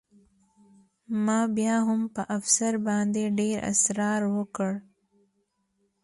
ما بیا هم په افسر باندې ډېر اسرار وکړ